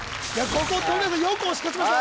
ここを富永さんよく押し勝ちました